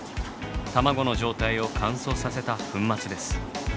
卵の状態を乾燥させた粉末です。